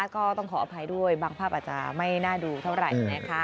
ก็ต้องขออภัยด้วยบางภาพอาจจะไม่น่าดูเท่าไหร่นะคะ